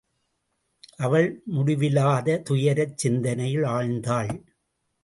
அவள் முடிவிலாத துயரச் சிந்தனையில் ஆழ்ந்தாள்.